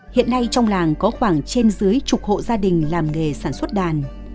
hiện nay trong làng có khoảng trên dưới chục hộ gia đình làm nghề sản xuất đàn